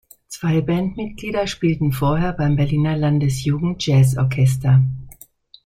Zwei Bandmitglieder spielten vorher beim Berliner Landesjugendjazzorchester.